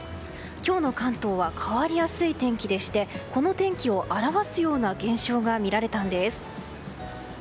今日の関東は変わりやすい天気でしてこの天気を表すような現象が見られたんです。